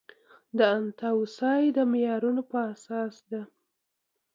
د انتوسای د معیارونو په اساس ده.